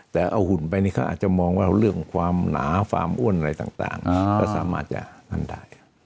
แต่เอาหุ่นไปนี่เขาอาจจะมองว่าเรื่องความหนาความอ้วนอะไรต่างก็สามารถจะหันได้